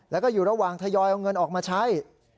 แล้วก็อยู่ระหว่างทยอยเอาเงินออกมาใช้